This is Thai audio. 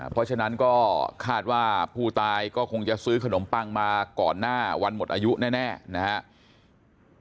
เพราะฉะนั้นก็คาดว่าผู้ตายก็คงจะซื้อขนมปังมาก่อนหน้าวันหมดอายุแน่นะครับ